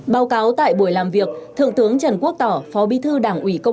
báo cáo tại buổi làm việc thượng tướng trần quốc tỏ phó bí thư đảng ủy quốc hội